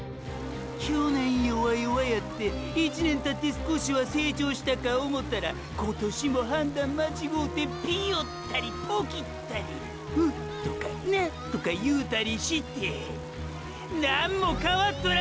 去年弱々やって一年たって少しは成長したか思うたら今年も判断間違うてピヨったりポキったり「う」とか「な」とか言うたりしてェなんも変わっとらんキミがァ！！